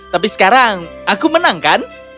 tapi sekarang aku menang kan